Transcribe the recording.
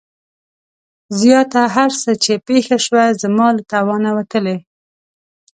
زياته هر څه چې پېښه شوه زما له توانه وتلې.